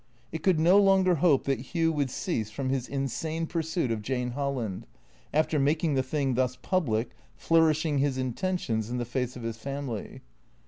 It could no longer hope that Hugh would cease from his insane pursuit of Jane Holland, after making the thing thus public, flourishing his intentions in the face of his family.